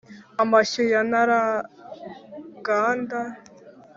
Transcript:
amashyo ya ntaraganda,